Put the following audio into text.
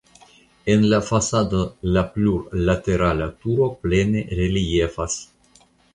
En la fasado la plurlatera turo plene reliefas.